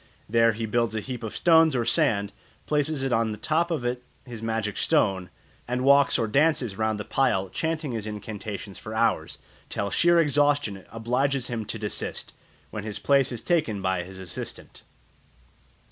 There he builds a heap of stones or sand, places on the top of it his magic stone, and walks or dances round the pile chanting his incantations for hours, till sheer exhaustion obliges him to desist, when his place is taken by his assistant.